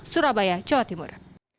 surabaya jawa timur